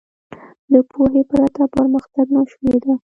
• د پوهې پرته پرمختګ ناشونی دی.